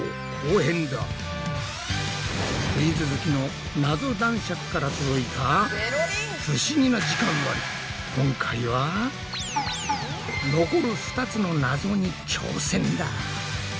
クイズ好きのナゾ男爵から届いた不思議な今回は残る２つのナゾに挑戦だ！